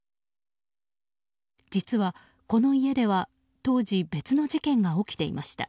実はこの家では当時、別の事件が起きていました。